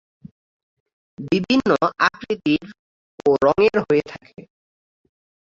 বিভিন্ন আকৃতির ও রঙের হয়ে থাকে।